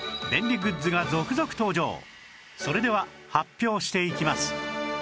それでは発表していきます